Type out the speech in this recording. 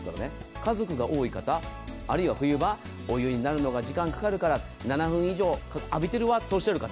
家族が多い方、あるいは冬場お湯になるのが時間がかかるから７分以上浴びてるわとおっしゃる方